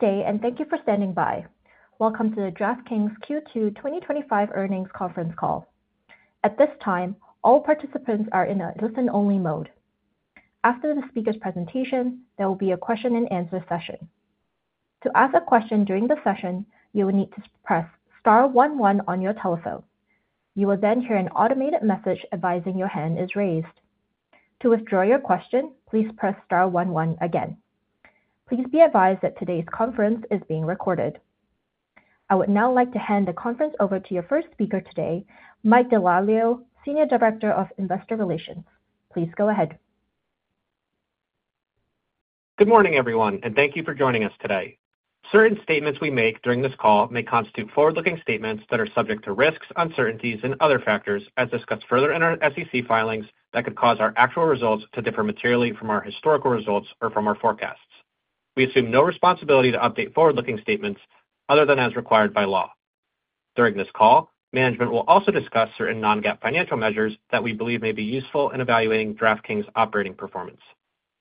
Today, and thank you for standing by. Welcome to the DraftKings Q2 2025 earnings conference call. At this time, all participants are in a listen-only mode. After the speaker's presentation, there will be a question-and-answer session. To ask a question during the session, you will need to press *11 on your telephone. You will then hear an automated message advising your hand is raised. To withdraw your question, please press *11 again. Please be advised that today's conference is being recorded. I would now like to hand the conference over to your first speaker today, Michael DeLalio, Senior Director of Investor Relations. Please go ahead. Good morning, everyone, and thank you for joining us today. Certain statements we make during this call may constitute forward-looking statements that are subject to risks, uncertainties, and other factors, as discussed further in our SEC filings, that could cause our actual results to differ materially from our historical results or from our forecasts. We assume no responsibility to update forward-looking statements other than as required by law. During this call, management will also discuss certain non-GAAP financial measures that we believe may be useful in evaluating DraftKings' operating performance.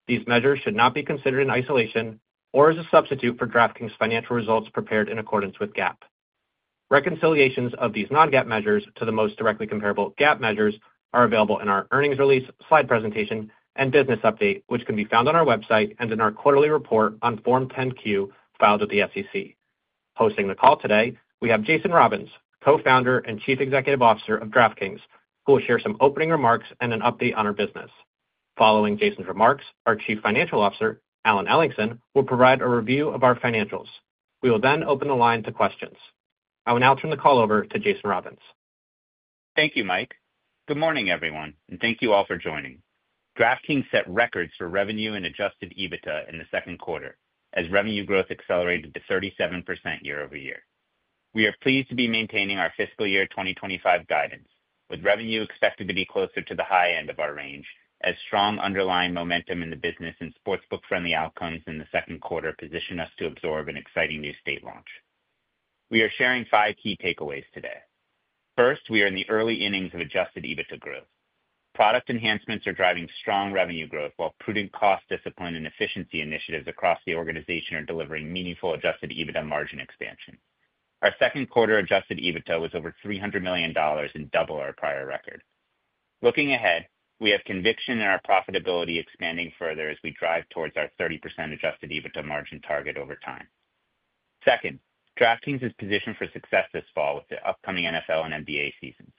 These measures should not be considered in isolation or as a substitute for DraftKings' financial results prepared in accordance with GAAP. Reconciliations of these non-GAAP measures to the most directly comparable GAAP measures are available in our earnings release slide presentation and business update, which can be found on our website and in our quarterly report on Form 10-Q filed with the SEC. Hosting the call today, we have Jason Robins, Co-Founder and Chief Executive Officer of DraftKings, who will share some opening remarks and an update on our business. Following Jason's remarks, our Chief Financial Officer, Alan Ellingson, will provide a review of our financials. We will then open the line to questions. I will now turn the call over to Jason Robins. Thank you, Mike. Good morning, everyone, and thank you all for joining. DraftKings set records for revenue and adjusted EBITDA in the second quarter, as revenue growth accelerated to 37% year-over-year. We are pleased to be maintaining our fiscal year 2025 guidance, with revenue expected to be closer to the high end of our range, as strong underlying momentum in the business and sportsbook-friendly outcomes in the second quarter position us to absorb an exciting new state launch. We are sharing five key takeaways today. First, we are in the early innings of adjusted EBITDA growth. Product enhancements are driving strong revenue growth, while prudent cost discipline and efficiency initiatives across the organization are delivering meaningful adjusted EBITDA margin expansion. Our second quarter adjusted EBITDA was over $300 million and doubled our prior record. Looking ahead, we have conviction in our profitability expanding further as we drive towards our 30% adjusted EBITDA margin target over time. Second, DraftKings is positioned for success this fall with the upcoming NFL and NBA seasons.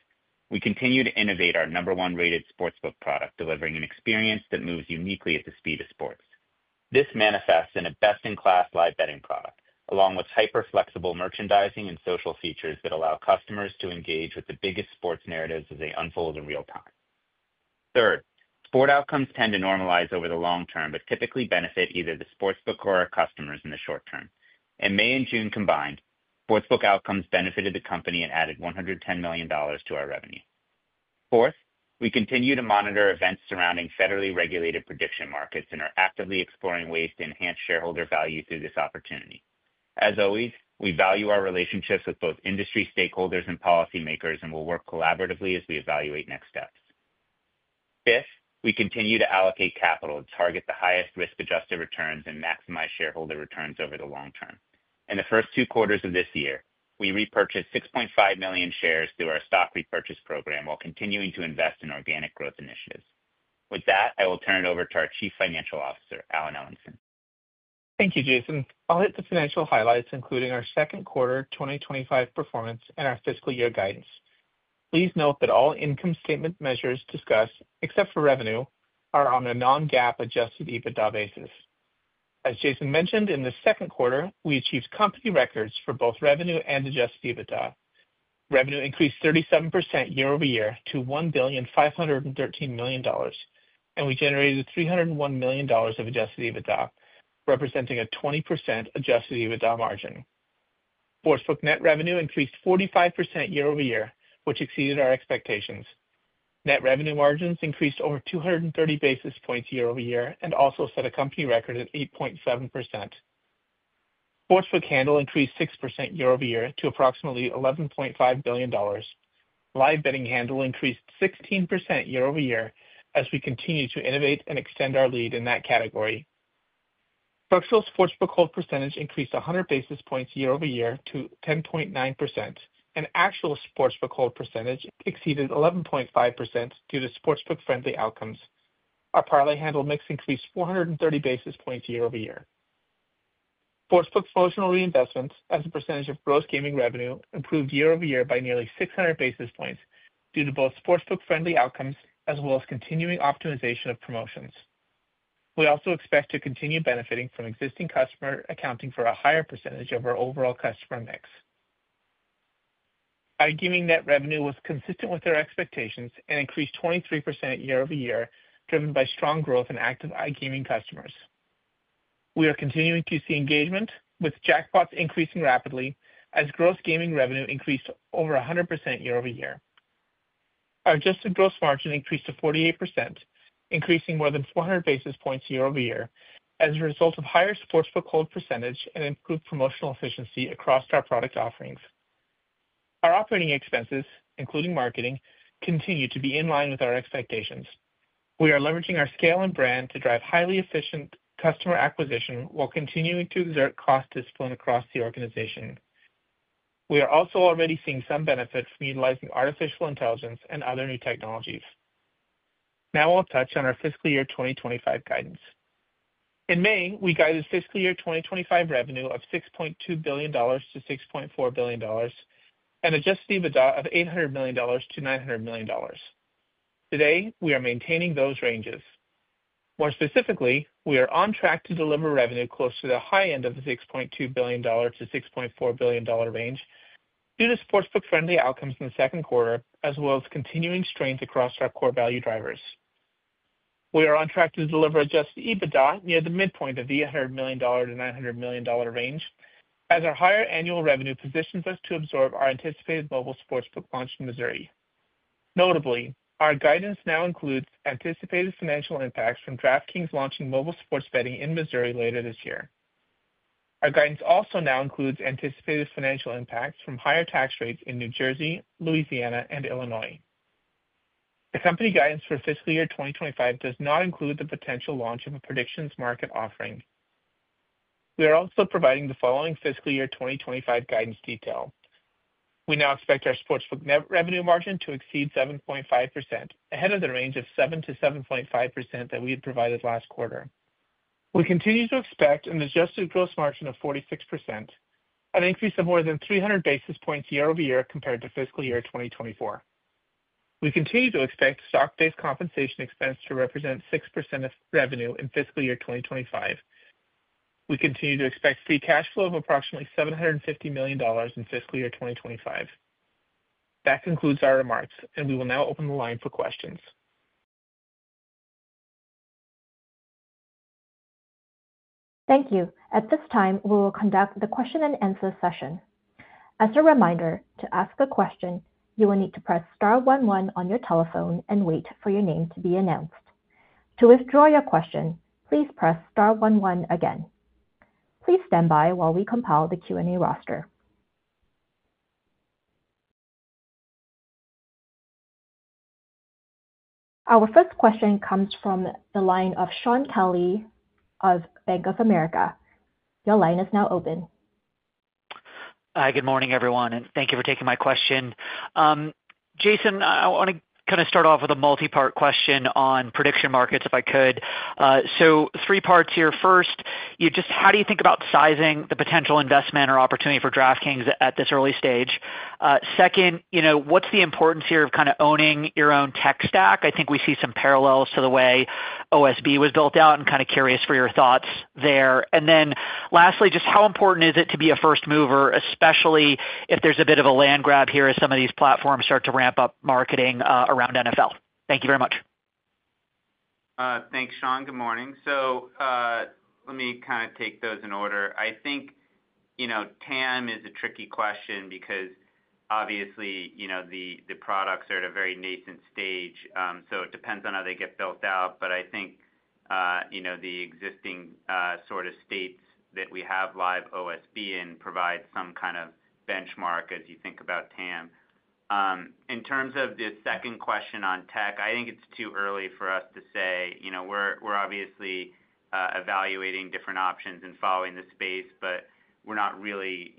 We continue to innovate our number-one rated sportsbook product, delivering an experience that moves uniquely at the speed of sports. This manifests in a best-in-class live betting product, along with hyper-flexible merchandising and social features that allow customers to engage with the biggest sports narratives as they unfold in real time. Third, sport outcomes tend to normalize over the long term, but typically benefit either the sportsbook or our customers in the short term. In May and June combined, sportsbook outcomes benefited the company and added $110 million to our revenue. Fourth, we continue to monitor events surrounding federally regulated prediction markets and are actively exploring ways to enhance shareholder value through this opportunity. As always, we value our relationships with both industry stakeholders and policymakers, and we'll work collaboratively as we evaluate next steps. Fifth, we continue to allocate capital to target the highest risk-adjusted returns and maximize shareholder returns over the long term. In the first two quarters of this year, we repurchased 6.5 million shares through our share repurchase program while continuing to invest in organic growth initiatives. With that, I will turn it over to our Chief Financial Officer, Alan Ellingson. Thank you, Jason. I'll hit the financial highlights, including our second quarter 2025 performance and our fiscal year guidance. Please note that all income statement measures discussed, except for revenue, are on a non-GAAP adjusted EBITDA basis. As Jason mentioned, in the second quarter, we achieved company records for both revenue and adjusted EBITDA. Revenue increased 37% year-over-year to $1.513 billion, and we generated $301 million of adjusted EBITDA, representing a 20% adjusted EBITDA margin. Sportsbook net revenue increased 45% year-over-year, which exceeded our expectations. Net revenue margins increased over 230 basis points year-over-year and also set a company record at 8.7%. Sportsbook handle increased 6% year-over-year to approximately $11.5 billion. Live betting handle increased 16% year-over-year as we continue to innovate and extend our lead in that category. Structural sportsbook hold percentage increased 100 basis points year-over-year to 10.9%, and actual sportsbook hold percentage exceeded 11.5% due to sportsbook-friendly outcomes. Our parlay handle mix increased 430 basis points year-over-year. Sportsbook promotional reinvestments, as a percentage of gross gaming revenue, improved year-over-year by nearly 600 basis points due to both sportsbook-friendly outcomes as well as continuing optimization of promotions. We also expect to continue benefiting from existing customers, accounting for a higher percentage of our overall customer mix. iGaming net revenue was consistent with our expectations and increased 23% year-over-year, driven by strong growth and active iGaming customers. We are continuing to see engagement, with jackpots increasing rapidly as gross gaming revenue increased over 100% year-over-year. Our adjusted gross margin increased to 48%, increasing more than 400 basis points year-over-year as a result of higher sportsbook hold percentage and improved promotional efficiency across our product offerings. Our operating expenses, including marketing, continue to be in line with our expectations. We are leveraging our scale and brand to drive highly efficient customer acquisition while continuing to exert cost discipline across the organization. We are also already seeing some benefits from utilizing artificial intelligence and other new technologies. Now I'll touch on our fiscal year 2025 guidance. In May, we guided fiscal year 2025 revenue of $6.2 billion-$6.4 billion and adjusted EBITDA of $800 million-$900 million. Today, we are maintaining those ranges. More specifically, we are on track to deliver revenue close to the high end of the $6.2 billion-$6.4 billion range due to sportsbook-friendly outcomes in the second quarter, as well as continuing strength across our core value drivers. We are on track to deliver adjusted EBITDA near the midpoint of the $800 million-$900 million range, as our higher annual revenue positions us to absorb our anticipated mobile sportsbook launch in Missouri. Notably, our guidance now includes anticipated financial impacts from DraftKings launching mobile sports betting in Missouri later this year. Our guidance also now includes anticipated financial impacts from higher tax rates in New Jersey, Louisiana, and Illinois. The company guidance for fiscal year 2025 does not include the potential launch of a predictions market offering. We are also providing the following fiscal year 2025 guidance detail. We now expect our sportsbook net revenue margin to exceed 7.5%, ahead of the range of 7%-7.5% that we had provided last quarter. We continue to expect an adjusted gross margin of 46%, an increase of more than 300 basis points year-over-year compared to fiscal year 2024. We continue to expect stock-based compensation expense to represent 6% of revenue in fiscal year 2025. We continue to expect free cash flow of approximately $750 million in fiscal year 2025. That concludes our remarks, and we will now open the line for questions. Thank you. At this time, we will conduct the question-and-answer session. As a reminder, to ask a question, you will need to press *11 on your telephone and wait for your name to be announced. To withdraw your question, please press *11 again. Please stand by while we compile the Q&A roster. Our first question comes from the line of Shaun Kelley of Bank of America. Your line is now open. Good morning, everyone, and thank you for taking my question. Jason, I want to kind of start off with a multi-part question on prediction markets, if I could. Three parts here. First, just how do you think about sizing the potential investment or opportunity for DraftKings at this early stage? Second, what's the importance here of kind of owning your own tech stack? I think we see some parallels to the way OSB was built out and kind of curious for your thoughts there. Lastly, just how important is it to be a first mover, especially if there's a bit of a land grab here as some of these platforms start to ramp up marketing around NFL? Thank you very much. Thanks, Sean. Good morning. Let me kind of take those in order. I think, you know, TAM is a tricky question because obviously, you know, the products are at a very nascent stage. It depends on how they get built out. I think, you know, the existing sort of states that we have live OSB in provide some kind of benchmark as you think about TAM. In terms of the second question on tech, I think it's too early for us to say. We're obviously evaluating different options and following the space, but we're not really,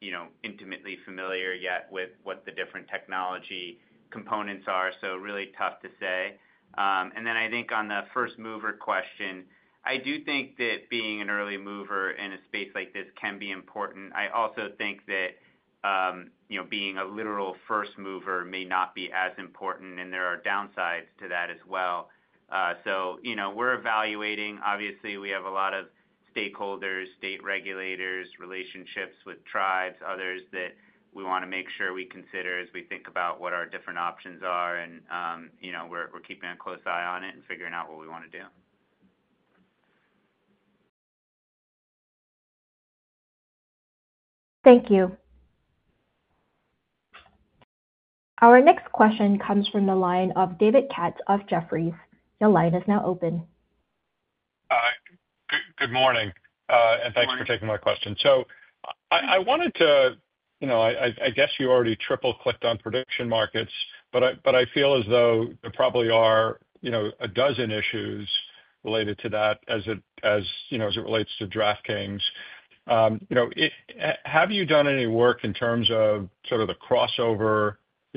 you know, intimately familiar yet with what the different technology components are. Really tough to say. On the first mover question, I do think that being an early mover in a space like this can be important. I also think that, you know, being a literal first mover may not be as important, and there are downsides to that as well. We're evaluating. Obviously, we have a lot of stakeholders, state regulators, relationships with tribes, others that we want to make sure we consider as we think about what our different options are. We're keeping a close eye on it and figuring out what we want to do. Thank you. Our next question comes from the line of David Katz of Jefferies. Your line is now open. Good morning, and thanks for taking my question. I wanted to, I guess you already triple-clicked on prediction markets, but I feel as though there probably are a dozen issues related to that as it relates to DraftKings. Have you done any work in terms of sort of the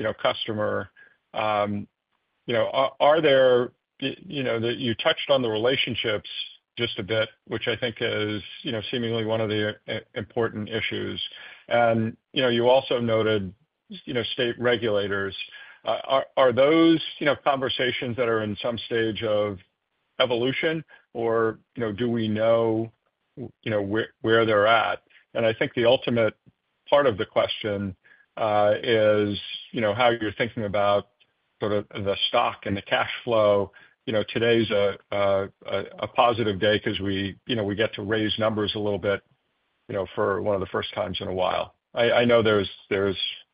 crossover customer? You touched on the relationships just a bit, which I think is seemingly one of the important issues. You also noted state regulators. Are those conversations that are in some stage of evolution, or do we know where they're at? I think the ultimate part of the question is how you're thinking about sort of the stock and the cash flow. Today's a positive day because we get to raise numbers a little bit for one of the first times in a while. I know there's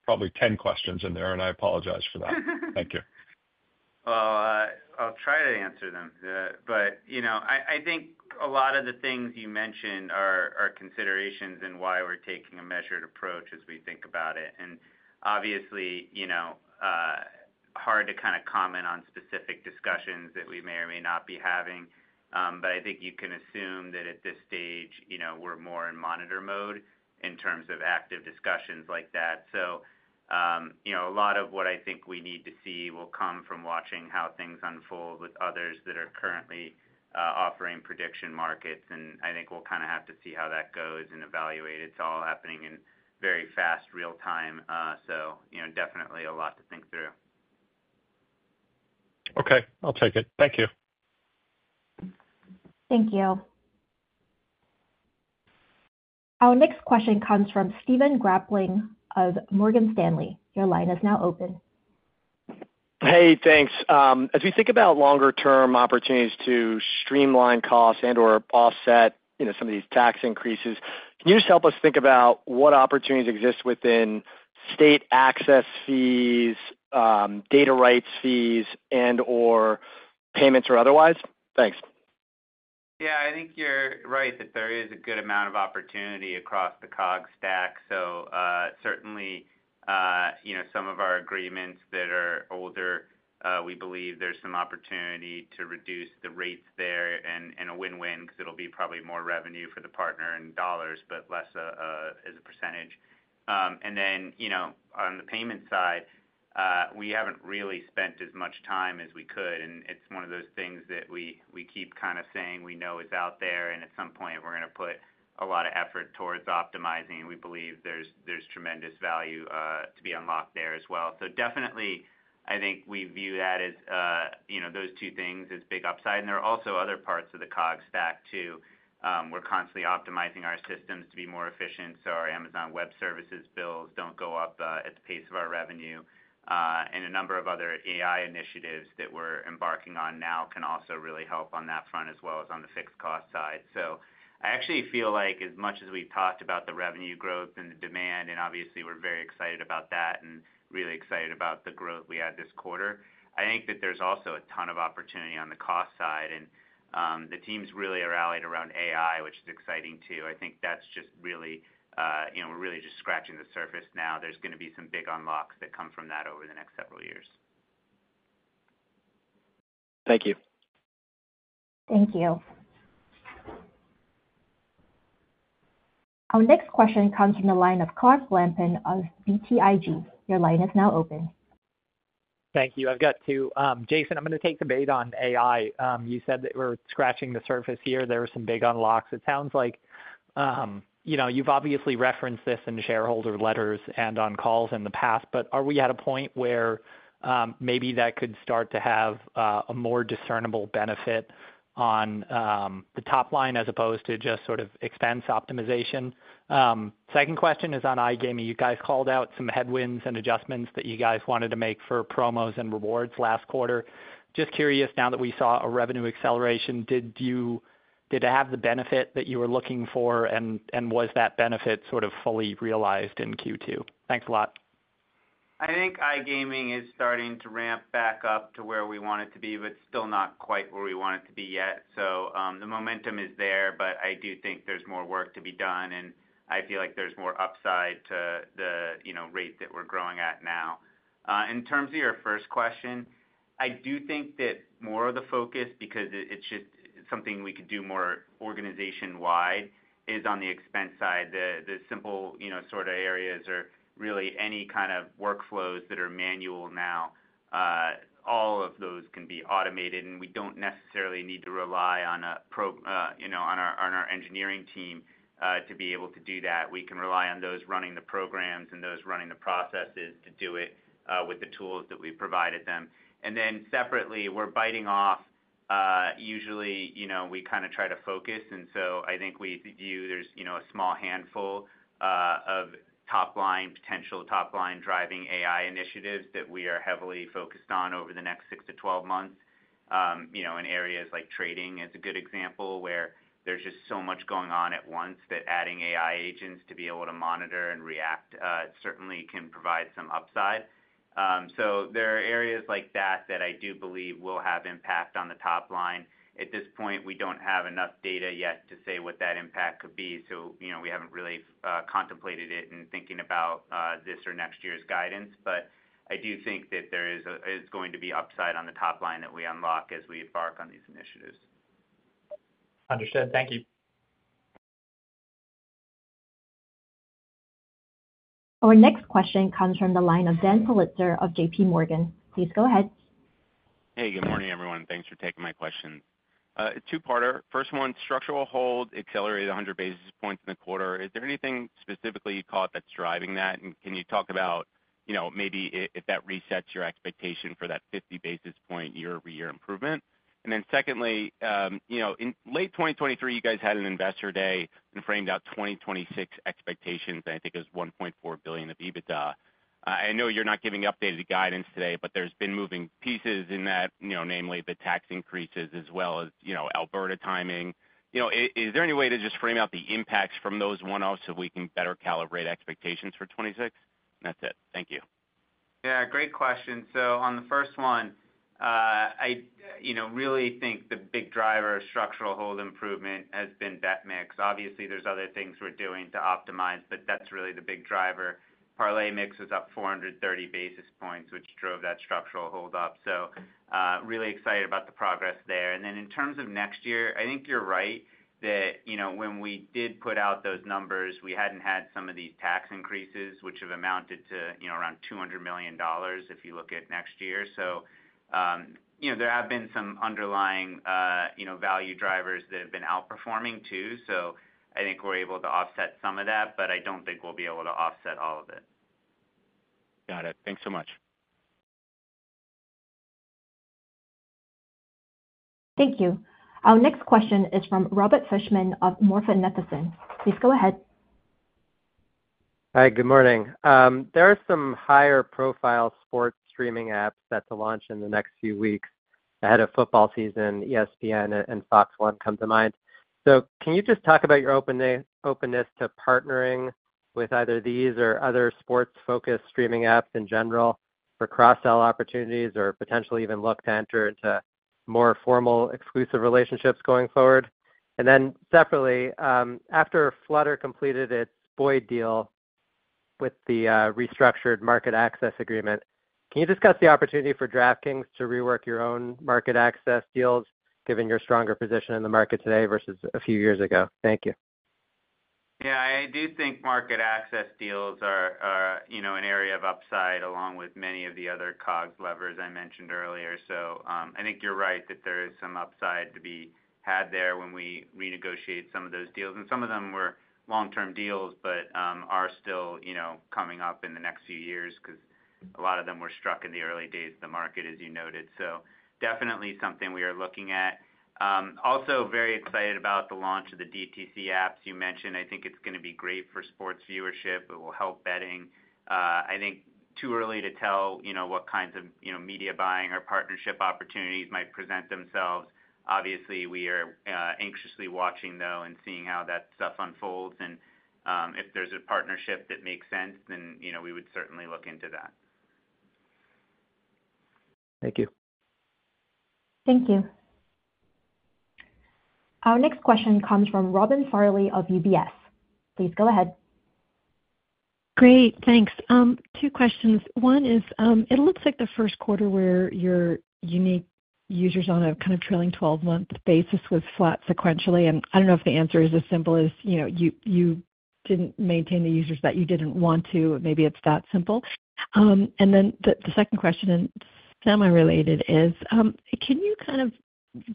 probably 10 questions in there, and I apologize for that. Thank you. I think a lot of the things you mentioned are considerations and why we're taking a measured approach as we think about it. Obviously, it's hard to kind of comment on specific discussions that we may or may not be having. I think you can assume that at this stage we're more in monitor mode in terms of active discussions like that. A lot of what I think we need to see will come from watching how things unfold with others that are currently offering prediction markets. I think we'll kind of have to see how that goes and evaluate. It's all happening in very fast real time, so definitely a lot to think through. OK, I'll take it. Thank you. Thank you. Our next question comes from Stephen Grambling of Morgan Stanley. Your line is now open. Thanks. As we think about longer-term opportunities to streamline costs and/or offset some of these tax increases, can you just help us think about what opportunities exist within state access fees, data rights fees, and/or payments or otherwise? Thanks. Yeah, I think you're right that there is a good amount of opportunity across the COG stack. Certainly, some of our agreements that are older, we believe there's some opportunity to reduce the rates there, and a win-win because it'll be probably more revenue for the partner in dollars, but less as a %. On the payment side, we haven't really spent as much time as we could. It's one of those things that we keep kind of saying we know is out there. At some point, we're going to put a lot of effort towards optimizing. We believe there's tremendous value to be unlocked there as well. Definitely, I think we view that as those two things as big upside. There are also other parts of the COG stack, too. We're constantly optimizing our systems to be more efficient so our Amazon Web Services bills don't go up at the pace of our revenue. A number of other AI initiatives that we're embarking on now can also really help on that front, as well as on the fixed cost side. I actually feel like as much as we talked about the revenue growth and the demand, and obviously we're very excited about that and really excited about the growth we had this quarter, I think that there's also a ton of opportunity on the cost side. The teams really are rallied around AI, which is exciting, too. I think that's just really, we're really just scratching the surface now. There's going to be some big unlocks that come from that over the next several years. Thank you. Thank you. Our next question comes from the line of Clark Lampen of BTIG. Your line is now open. Thank you. I've got two. Jason, I'm going to take the bait on AI. You said that we're scratching the surface here. There were some big unlocks. It sounds like you've obviously referenced this in shareholder letters and on calls in the past. Are we at a point where maybe that could start to have a more discernible benefit on the top line as opposed to just sort of expense optimization? My second question is on iGaming. You guys called out some headwinds and adjustments that you guys wanted to make for promos and rewards last quarter. Just curious, now that we saw a revenue acceleration, did you have the benefit that you were looking for? Was that benefit sort of fully realized in Q2? Thanks a lot. I think iGaming is starting to ramp back up to where we want it to be, but still not quite where we want it to be yet. The momentum is there, but I do think there's more work to be done. I feel like there's more upside to the rate that we're growing at now. In terms of your first question, I do think that more of the focus, because it's just something we could do more organization-wide, is on the expense side. The simple, you know, sort of areas or really any kind of workflows that are manual now, all of those can be automated. We don't necessarily need to rely on a pro, you know, on our engineering team to be able to do that. We can rely on those running the programs and those running the processes to do it with the tools that we provided them. Then separately, we're biting off. Usually, you know, we kind of try to focus. I think we view there's, you know, a small handful of top line, potential top line driving AI initiatives that we are heavily focused on over the next 6 to 12 months. In areas like trading, it's a good example where there's just so much going on at once that adding AI agents to be able to monitor and react certainly can provide some upside. There are areas like that that I do believe will have impact on the top line. At this point, we don't have enough data yet to say what that impact could be. We haven't really contemplated it in thinking about this or next year's guidance. I do think that there is going to be upside on the top line that we unlock as we embark on these initiatives. Understood. Thank you. Our next question comes from the line of Dan Pulitzer of JPMorgan. Please go ahead. Hey, good morning, everyone. Thanks for taking my question. Two-parter. First one, structural hold accelerated 100 basis points in the quarter. Is there anything specifically you caught that's driving that? Can you talk about, you know, maybe if that resets your expectation for that 50 basis point year-over-year improvement? Secondly, you know, in late 2023, you guys had an investor day and framed out 2026 expectations, and I think it was $1.4 billion of EBITDA. I know you're not giving updated guidance today, but there's been moving pieces in that, you know, namely the tax increases as well as, you know, Alberta timing. Is there any way to just frame out the impacts from those one-offs so we can better calibrate expectations for 2026? That's it. Thank you. Yeah, great question. On the first one, I really think the big driver of structural hold improvement has been that mix. Obviously, there's other things we're doing to optimize, but that's really the big driver. Parlay mix was up 430 basis points, which drove that structural hold up. Really excited about the progress there. In terms of next year, I think you're right that when we did put out those numbers, we hadn't had some of these tax increases, which have amounted to around $200 million if you look at next year. There have been some underlying value drivers that have been outperforming, too. I think we're able to offset some of that, but I don't think we'll be able to offset all of it. Got it. Thanks so much. Thank you. Our next question is from Robert Fishman of MoffettNathanson. Please go ahead. Hi, good morning. There are some higher profile sports streaming apps set to launch in the next few weeks ahead of football season, ESPN and Fox One come to mind. Can you just talk about your openness to partnering with either these or other sports-focused streaming apps in general for cross-sell opportunities or potentially even look to enter into more formal exclusive relationships going forward? Separately, after Flutter completed its BOY deal with the restructured market access agreement, can you discuss the opportunity for DraftKings to rework your own market access deals, given your stronger position in the market today versus a few years ago? Thank you. Yeah, I do think market access deals are an area of upside, along with many of the other COG levers I mentioned earlier. I think you're right that there is some upside to be had there when we renegotiate some of those deals. Some of them were long-term deals, but are still coming up in the next few years because a lot of them were struck in the early days of the market, as you noted. Definitely something we are looking at. Also, very excited about the launch of the DTC apps you mentioned. I think it's going to be great for sports viewership. It will help betting. I think it's too early to tell what kinds of media buying or partnership opportunities might present themselves. Obviously, we are anxiously watching and seeing how that stuff unfolds. If there's a partnership that makes sense, then we would certainly look into that. Thank you. Thank you. Our next question comes from Robin Farley of UBS. Please go ahead. Great, thanks. Two questions. One is, it looks like the first quarter where your unique users on a kind of trailing 12-month basis was flat sequentially. I don't know if the answer is as simple as, you know, you didn't maintain the users that you didn't want to. Maybe it's that simple. The second question, and semi-related, is, can you kind of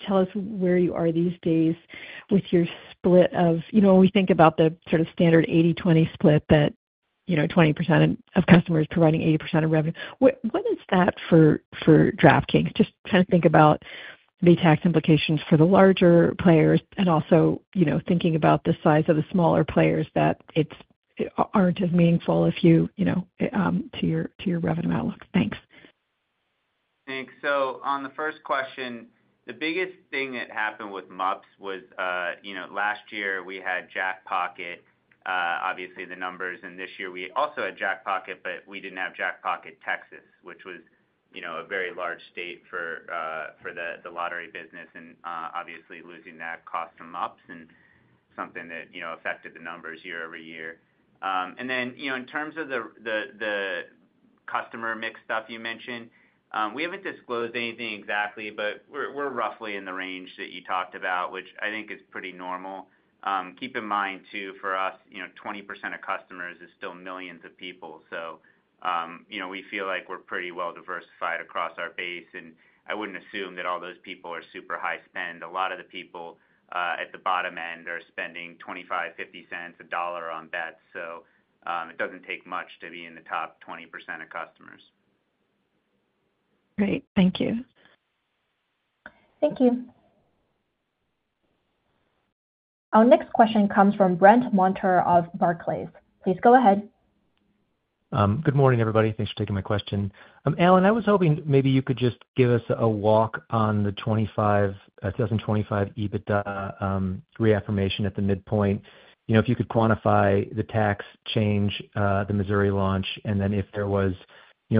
tell us where you are these days with your split of, you know, when we think about the sort of standard 80-20 split that, you know, 20% of customers providing 80% of revenue, what is that for DraftKings? Just trying to think about the tax implications for the larger players and also, you know, thinking about the size of the smaller players that aren't as meaningful, if you, you know, to your revenue outlook. Thanks. Thanks. On the first question, the biggest thing that happened with MUPS was, last year we had Jackpocket, obviously the numbers. This year we also had Jackpocket, but we didn't have Jackpocket Texas, which was a very large state for the lottery business and obviously losing that cost to MUPS and something that affected the numbers year-over-year. In terms of the customer mix stuff you mentioned, we haven't disclosed anything exactly, but we're roughly in the range that you talked about, which I think is pretty normal. Keep in mind, too, for us, 20% of customers is still millions of people. We feel like we're pretty well diversified across our base. I wouldn't assume that all those people are super high spend. A lot of the people at the bottom end are spending $0.25, $0.50, $1 on bets. It doesn't take much to be in the top 20% of customers. Great, thank you. Thank you. Our next question comes from Brandt Montour of Barclays. Please go ahead. Good morning, everybody. Thanks for taking my question. Alan, I was hoping maybe you could just give us a walk on the 2025 adjusted EBITDA reaffirmation at the midpoint. If you could quantify the tax change, the Missouri mobile sportsbook launch, and then if there was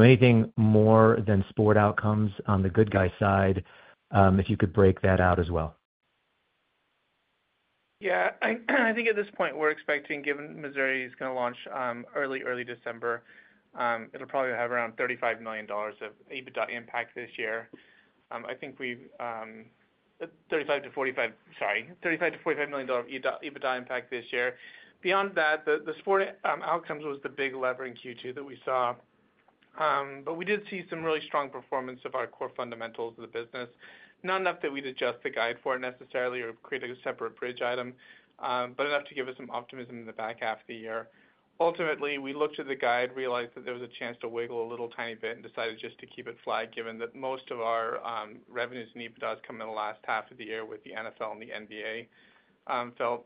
anything more than sport outcomes on the good guy side, if you could break that out as well. Yeah, I think at this point we're expecting, given Missouri is going to launch early, early December, it'll probably have around $35 million of EBITDA impact this year. I think we've $35 to $45 million EBITDA impact this year. Beyond that, the sport outcomes was the big lever in Q2 that we saw. We did see some really strong performance of our core fundamentals of the business. Not enough that we'd adjust the guide for it necessarily or create a separate bridge item, but enough to give us some optimism in the back half of the year. Ultimately, we looked at the guide, realized that there was a chance to wiggle a little tiny bit, and decided just to keep it flat, given that most of our revenues and EBITDAs come in the last half of the year with the NFL and the NBA. Felt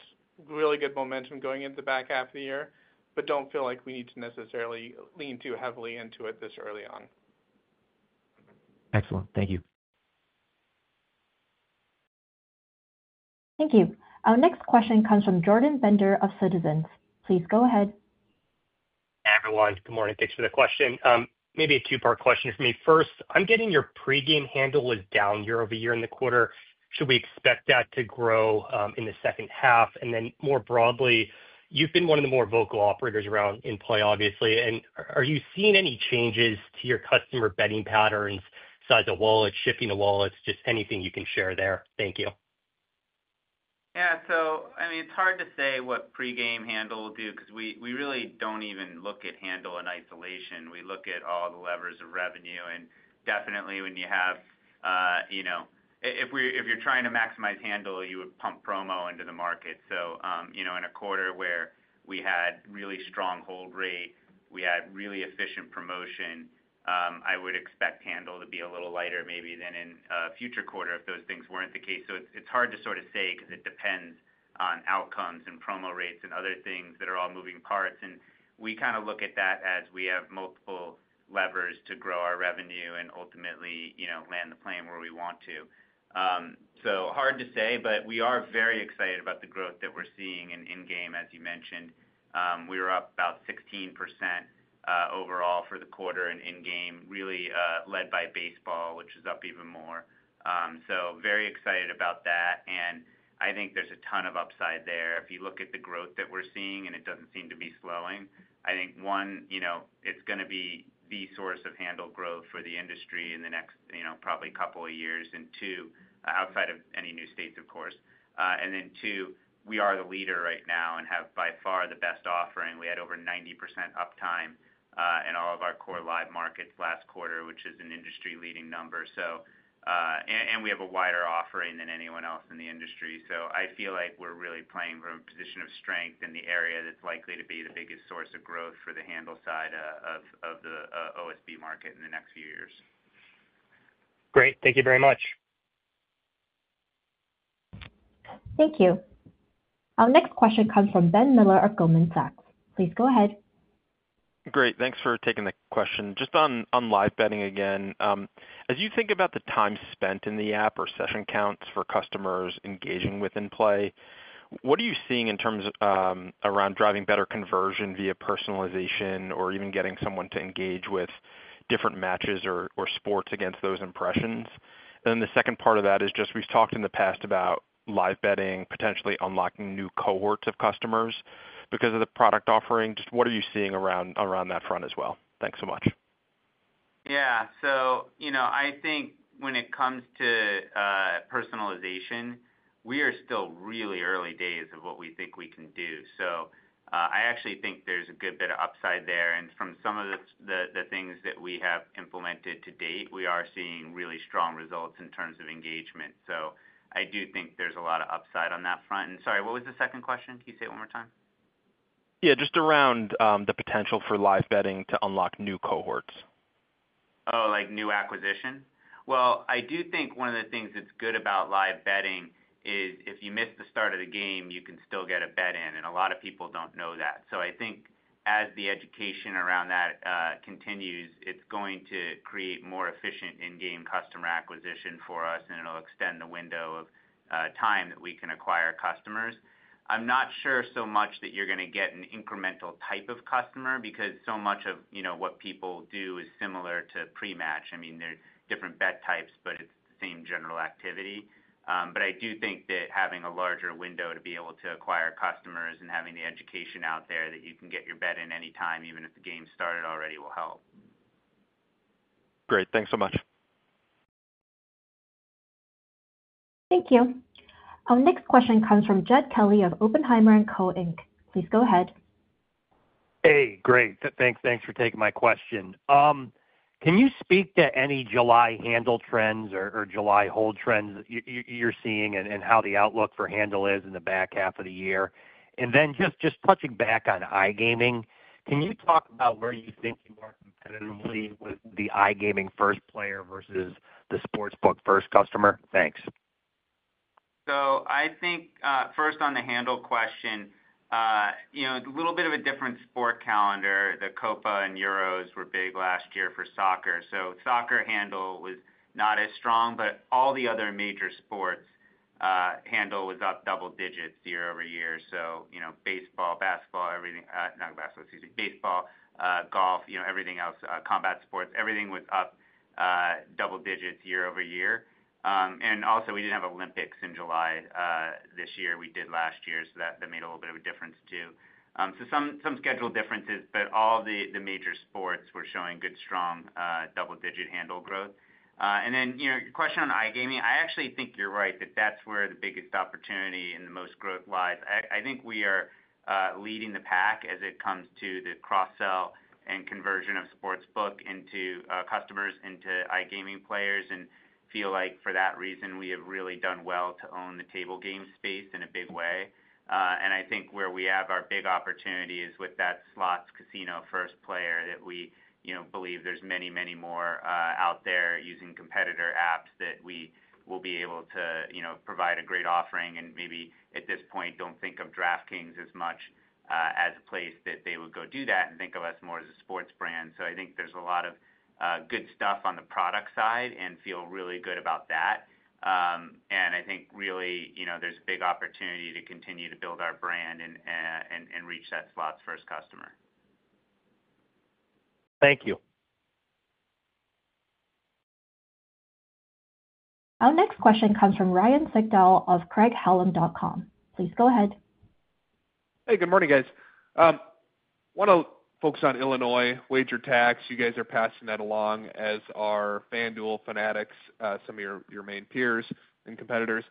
really good momentum going into the back half of the year, but don't feel like we need to necessarily lean too heavily into it this early on. Excellent. Thank you. Thank you. Our next question comes from Jordan Bender of Citizens. Please go ahead. Hi, everyone. Good morning. Thanks for the question. Maybe a two-part question for me. First, I'm getting your pre-game handle is down year-over-year in the quarter. Should we expect that to grow in the second half? More broadly, you've been one of the more vocal operators around in-play, obviously. Are you seeing any changes to your customer betting patterns, size of wallets, shifting the wallets, just anything you can share there? Thank you. Yeah, it's hard to say what pre-game handle will do because we really don't even look at handle in isolation. We look at all the levers of revenue. Definitely, if you're trying to maximize handle, you would pump promo into the market. In a quarter where we had really strong hold rate and really efficient promotion, I would expect handle to be a little lighter maybe than in a future quarter if those things weren't the case. It's hard to say because it depends on outcomes and promo rates and other things that are all moving parts. We look at that as we have multiple levers to grow our revenue and ultimately land the plane where we want to. It's hard to say, but we are very excited about the growth that we're seeing in in-game, as you mentioned. We were up about 16% overall for the quarter in in-game, really led by baseball, which is up even more. Very excited about that. I think there's a ton of upside there. If you look at the growth that we're seeing and it doesn't seem to be slowing, I think, one, it's going to be the source of handle growth for the industry in the next probably a couple of years, outside of any new states, of course. Two, we are the leader right now and have by far the best offering. We had over 90% uptime in all of our core live markets last quarter, which is an industry-leading number. We have a wider offering than anyone else in the industry. I feel like we're really playing from a position of strength in the area that's likely to be the biggest source of growth for the handle side of the OSB market in the next few years. Great, thank you very much. Thank you. Our next question comes from Ben Miller of Goldman Sachs. Please go ahead. Great, thanks for taking the question. Just on live betting again, as you think about the time spent in the app or session counts for customers engaging with in-play, what are you seeing in terms of around driving better conversion via personalization or even getting someone to engage with different matches or sports against those impressions? The second part of that is just we've talked in the past about live betting potentially unlocking new cohorts of customers because of the product offering. Just what are you seeing around that front as well? Thanks so much. Yeah, I think when it comes to personalization, we are still really early days of what we think we can do. I actually think there's a good bit of upside there. From some of the things that we have implemented to date, we are seeing really strong results in terms of engagement. I do think there's a lot of upside on that front. Sorry, what was the second question? Can you say it one more time? Yeah, just around the potential for live betting to unlock new cohorts. Oh, like new acquisition? I do think one of the things that's good about live betting is if you miss the start of the game, you can still get a bet in. A lot of people don't know that. I think as the education around that continues, it's going to create more efficient in-game customer acquisition for us, and it'll extend the window of time that we can acquire customers. I'm not sure so much that you're going to get an incremental type of customer because so much of what people do is similar to pre-match. There are different bet types, but it's the same general activity. I do think that having a larger window to be able to acquire customers and having the education out there that you can get your bet in any time, even if the game started already, will help. Great, thanks so much. Thank you. Our next question comes from Jed Kelly of Oppenheimer and Co. Inc. Please go ahead. Hey, great. Thanks for taking my question. Can you speak to any July handle trends or July hold trends that you're seeing, and how the outlook for handle is in the back half of the year? Just touching back on iGaming, can you talk about where you think you are competitively with the iGaming first player versus the sportsbook first customer? Thanks. I think first on the handle question, a little bit of a different sport calendar. The Copa and Euros were big last year for soccer, so soccer handle was not as strong, but all the other major sports handle was up double digits year-over-year. Baseball, golf, everything else, combat sports, everything was up double digits year-over-year. We didn't have Olympics in July this year. We did last year, which made a little bit of a difference, too. There were some schedule differences, but all the major sports were showing good, strong double-digit handle growth. Your question on iGaming, I actually think you're right that that's where the biggest opportunity and the most growth lies. I think we are leading the pack as it comes to the cross-sell and conversion of sportsbook customers into iGaming players. I feel like for that reason, we have really done well to own the table game space in a big way. I think where we have our big opportunity is with that slots, casino first player that we believe there's many, many more out there using competitor apps that we will be able to provide a great offering. Maybe at this point, they don't think of DraftKings as much as a place that they would go do that and think of us more as a sports brand. I think there's a lot of good stuff on the product side and feel really good about that. I think really, there's a big opportunity to continue to build our brand and reach that slots first customer. Thank you. Our next question comes from Ryan Sigdahl of Craig-Hallum.com. Please go ahead. Hey, good morning, guys. I want to focus on Illinois per-wager tax. You guys are passing that along as are FanDuel, Fanatics, some of your main peers and competitors.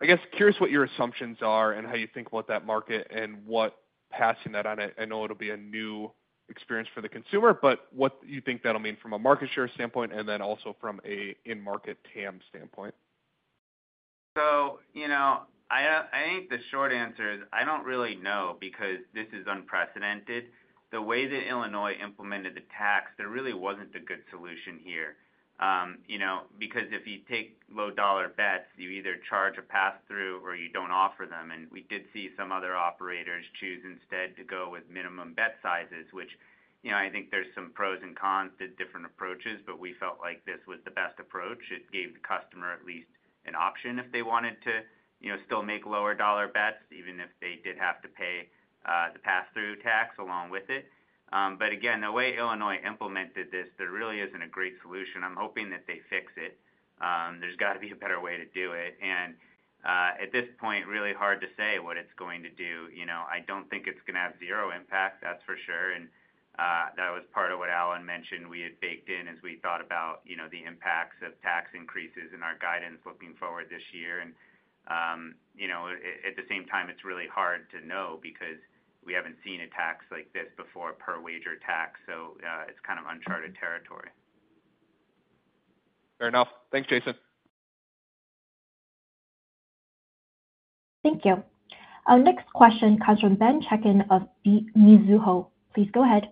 I guess curious what your assumptions are and how you think about that market and what passing that on. I know it'll be a new experience for the consumer, but what you think that'll mean from a market share standpoint and also from an in-market TAM standpoint. I think the short answer is I don't really know because this is unprecedented. The way that Illinois implemented the tax, there really wasn't a good solution here. If you take low dollar bets, you either charge a pass-through or you don't offer them. We did see some other operators choose instead to go with minimum bet sizes, which I think there's some pros and cons to different approaches, but we felt like this was the best approach. It gave the customer at least an option if they wanted to still make lower dollar bets, even if they did have to pay the pass-through tax along with it. Again, the way Illinois implemented this, there really isn't a great solution. I'm hoping that they fix it. There's got to be a better way to do it. At this point, really hard to say what it's going to do. I don't think it's going to have zero impact, that's for sure. That was part of what Alan Ellingson mentioned. We had baked in as we thought about the impacts of tax increases in our guidance looking forward this year. At the same time, it's really hard to know because we haven't seen a tax like this before, per-wager tax. It's kind of uncharted territory. Fair enough. Thanks, Jason. Thank you. Our next question comes from Ben Chaiken of Mizuho. Please go ahead.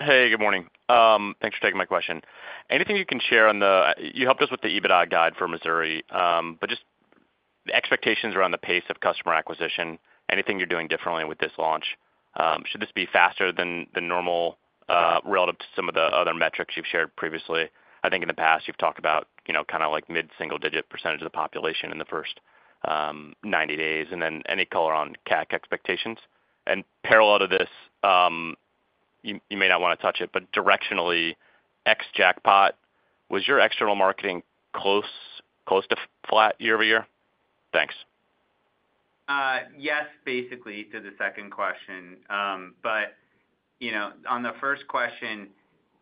Hey, good morning. Thanks for taking my question. Anything you can share on the, you helped us with the EBITDA guide for Missouri, but just the expectations around the pace of customer acquisition, anything you're doing differently with this launch? Should this be faster than the normal relative to some of the other metrics you've shared previously? I think in the past you've talked about, you know, kind of like mid-single-digit % of the population in the first 90 days, and then any color on CAC expectations. Parallel to this, you may not want to touch it, but directionally, ex-jackpot, was your external marketing close to flat year-over-year? Thanks. Yes, basically to the second question. On the first question,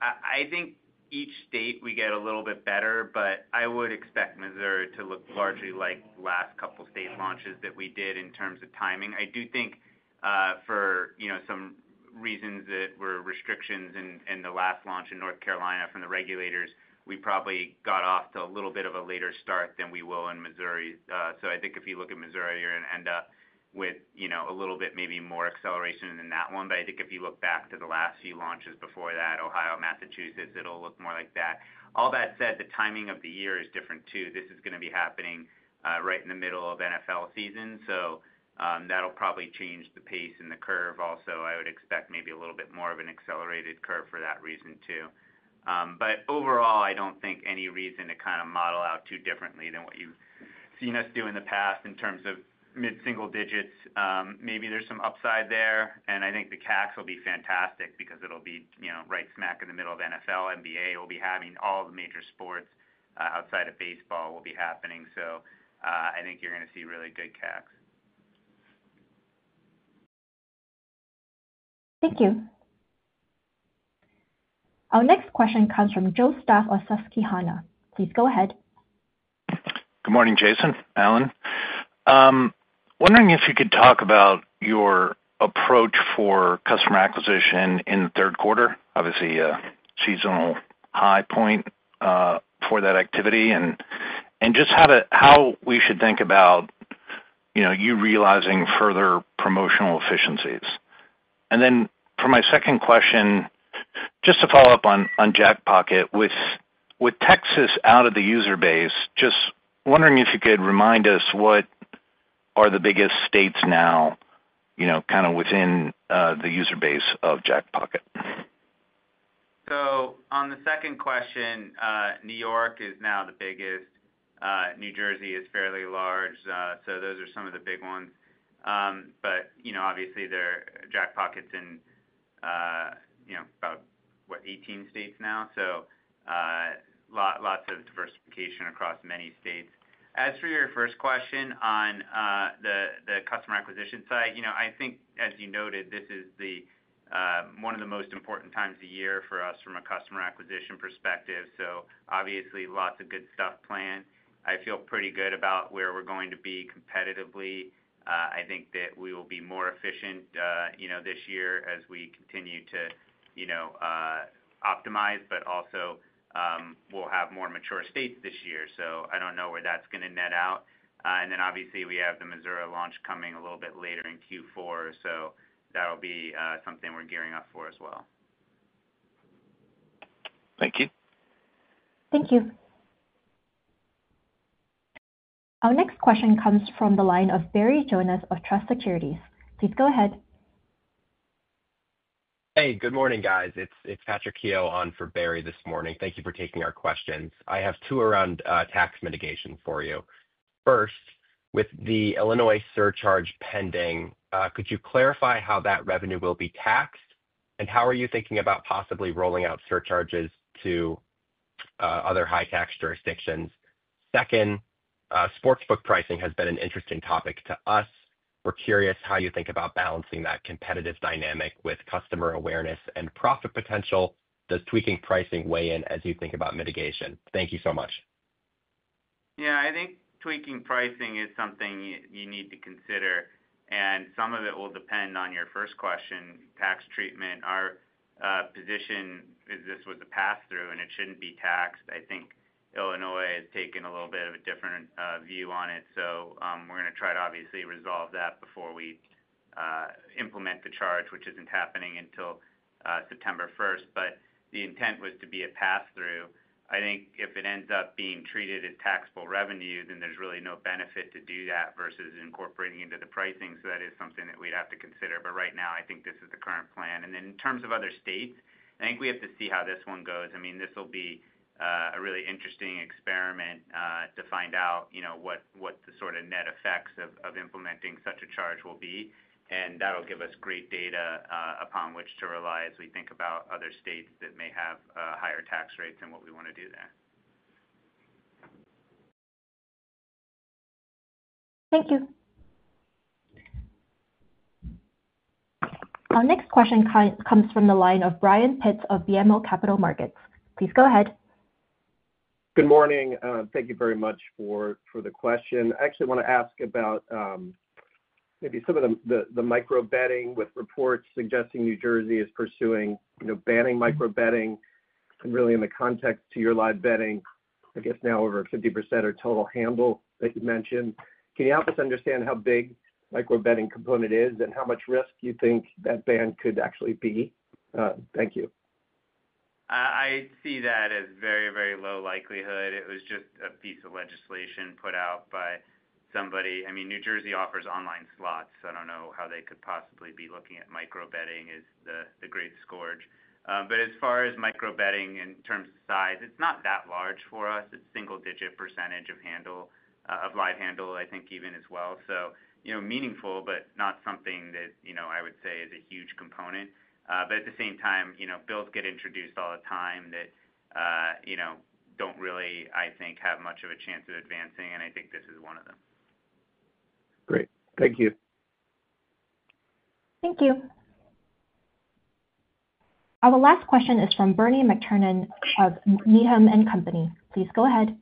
I think each state we get a little bit better, but I would expect Missouri to look largely like the last couple of state launches that we did in terms of timing. I do think for some reasons that were restrictions and the last launch in North Carolina from the regulators, we probably got off to a little bit of a later start than we will in Missouri. I think if you look at Missouri, you're going to end up with maybe a little bit more acceleration than that one. If you look back to the last few launches before that, Ohio, Massachusetts, it'll look more like that. All that said, the timing of the year is different, too. This is going to be happening right in the middle of NFL season. That'll probably change the pace and the curve. I would expect maybe a little bit more of an accelerated curve for that reason, too. Overall, I don't think any reason to kind of model out too differently than what you've seen us do in the past in terms of mid-single digits. Maybe there's some upside there. I think the CACs will be fantastic because it'll be right smack in the middle of NFL, NBA. We'll be having all the major sports outside of baseball will be happening. I think you're going to see really good CACs. Thank you. Our next question comes from Joe Stauff of Susquehanna. Please go ahead. Good morning, Jason, Alan. Wondering if you could talk about your approach for customer acquisition in the third quarter, obviously a seasonal high point for that activity, and how we should think about you realizing further promotional efficiencies. For my second question, just to follow up on Jack Pocket, with Texas out of the user base, just wondering if you could remind us what are the biggest states now within the user base of Jack Pocket. On the second question, New York is now the biggest. New Jersey is fairly large. Those are some of the big ones. Obviously, there are Jackpockets in about, what, 18 states now. Lots of diversification across many states. As for your first question on the customer acquisition side, I think, as you noted, this is one of the most important times of year for us from a customer acquisition perspective. Obviously, lots of good stuff planned. I feel pretty good about where we're going to be competitively. I think that we will be more efficient this year as we continue to optimize, but also we'll have more mature states this year. I don't know where that's going to net out. Obviously, we have the Missouri launch coming a little bit later in Q4. That'll be something we're gearing up for as well. Thank you. Thank you. Our next question comes from the line of Barry Jonas of Truist Securities. Please go ahead. Hey, good morning, guys. It's Patrick Keough on for Barry this morning. Thank you for taking our questions. I have two around tax mitigation for you. First, with the Illinois surcharge pending, could you clarify how that revenue will be taxed? How are you thinking about possibly rolling out surcharges to other high-tax jurisdictions? Second, sportsbook pricing has been an interesting topic to us. We're curious how you think about balancing that competitive dynamic with customer awareness and profit potential. Does tweaking pricing weigh in as you think about mitigation? Thank you so much. Yeah, I think tweaking pricing is something you need to consider. Some of it will depend on your first question, tax treatment. Our position is this was a pass-through and it shouldn't be taxed. I think Illinois has taken a little bit of a different view on it. We're going to try to obviously resolve that before we implement the charge, which isn't happening until September 1. The intent was to be a pass-through. I think if it ends up being treated as taxable revenue, then there's really no benefit to do that versus incorporating into the pricing. That is something that we'd have to consider. Right now, I think this is the current plan. In terms of other states, I think we have to see how this one goes. This will be a really interesting experiment to find out what the sort of net effects of implementing such a charge will be. That'll give us great data upon which to rely as we think about other states that may have higher tax rates and what we want to do there. Thank you. Our next question comes from the line of Brian Pitts of BMO Capital Markets. Please go ahead. Good morning. Thank you very much for the question. I actually want to ask about maybe some of the micro-betting with reports suggesting New Jersey is pursuing banning micro-betting. In the context to your live betting, I guess now over 50% of total handle that you mentioned. Can you help us understand how big the micro-betting component is and how much risk do you think that ban could actually be? Thank you. I see that as very, very low likelihood. It was just a piece of legislation put out by somebody. I mean, New Jersey offers online slots. I don't know how they could possibly be looking at micro-betting as the greatest scourge. As far as micro-betting in terms of size, it's not that large for us. It's a single-digit % of handle, of live handle, I think even as well. Meaningful, but not something that I would say is a huge component. At the same time, bills get introduced all the time that don't really, I think, have much of a chance of advancing. I think this is one of them. Great. Thank you. Thank you. Our last question is from Bernie McTernan of Needham & Company. Please go ahead.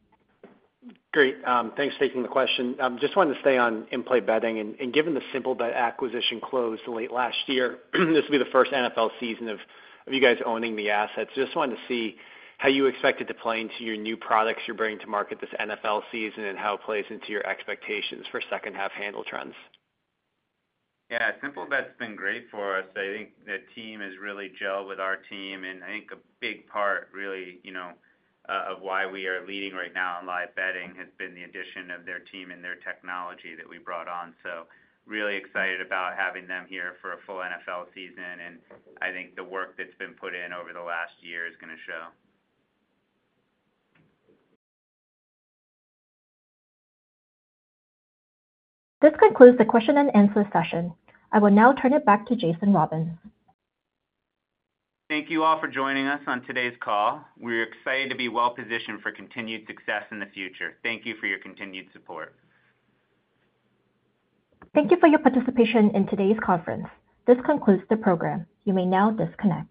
Great. Thanks for taking the question. I just wanted to stay on in-play betting. Given the SimpleBet acquisition closed late last year, this will be the first NFL season of you guys owning the assets. I just wanted to see how you expect it to play into your new products you're bringing to market this NFL season and how it plays into your expectations for second-half handle trends. Yeah, SimpleBet's been great for us. I think their team has really gelled with our team. I think a big part, really, of why we are leading right now on live betting has been the addition of their team and their technology that we brought on. Really excited about having them here for a full NFL season. I think the work that's been put in over the last year is going to show. This concludes the question and answer session. I will now turn it back to Jason Robins. Thank you all for joining us on today's call. We're excited to be well positioned for continued success in the future. Thank you for your continued support. Thank you for your participation in today's conference. This concludes the program. You may now disconnect.